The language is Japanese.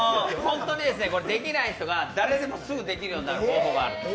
できない人が、誰でもできるようになる方法がある。